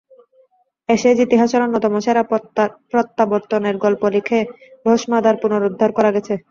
Ashes ইতিহাসের অন্যতম সেরা প্রত্যাবর্তনের গল্প লিখে ভস্মাধার পুনরুদ্ধার করা গেছে।